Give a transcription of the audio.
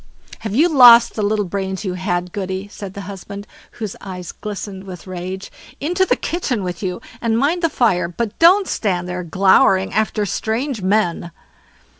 "Have you lost the little brains you had, Goody?" said the husband, whose eyes glistened with rage; "into the kitchen with you, and mind the fire; but don't stand there glowering after strange men."